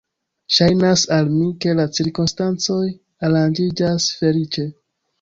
Ŝajnas al mi, ke la cirkonstancoj aranĝiĝas feliĉe.